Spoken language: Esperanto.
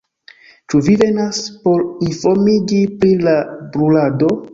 Ĉu vi venas por informiĝi pri la brulado?